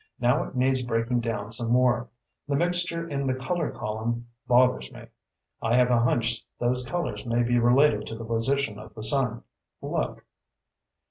"Now it needs breaking down some more. The mixture in the 'color' column bothers me. I have a hunch those colors may be related to the position of the sun. Look."